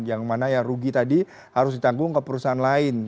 yang mana yang rugi tadi harus ditanggung ke perusahaan lain